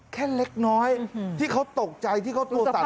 เล็กน้อยที่เขาตกใจที่เขาตัวสั่น